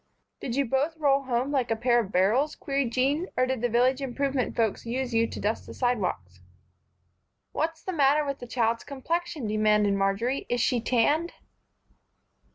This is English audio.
"Did you both roll home like a pair of barrels?" queried Jean, "or did the Village Improvement folks use you to dust the sidewalks?" "What's the matter with that child's complexion?" demanded Marjory. "Is she tanned?"